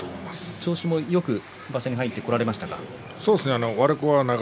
調子もよく場所に入ってこられましたか。